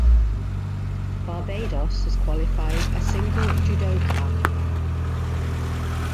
Barbados has qualified a single judoka.